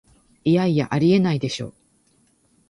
いやいや、ありえないでしょ